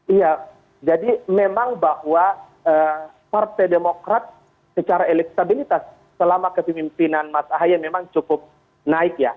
iya jadi memang bahwa partai demokrat secara elektabilitas selama kepemimpinan mas ahaye memang cukup naik ya